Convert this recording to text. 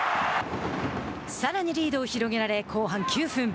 さらにリードを広げられ後半９分。